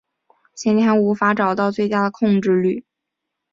现今还无法找到最佳的控制律。